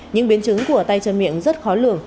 những biến chứng của tay chân miệng rất khó lường